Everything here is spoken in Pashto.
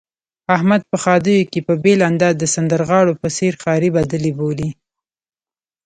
احمد په ښادیو کې په بېل انداز د سندرغاړو په څېر ښاري بدلې بولي.